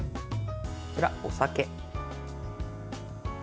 こちら、お酒。